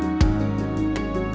mbak catherine kita mau ke rumah